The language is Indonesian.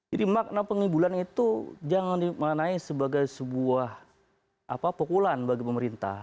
jadi makna pengibulan itu jangan dimakanai sebagai sebuah apa pokulan bagi pemerintah